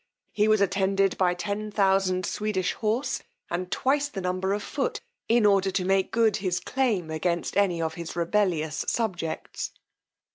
He was attended by 10,000 Swedish horse, and twice the number of foot, in order to make good his claim against any of his rebellious subjects.